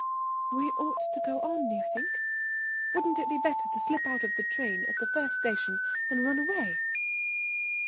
"We ought to go on, you think? Wouldn't it be better to slip out of the train at the first station and run away?"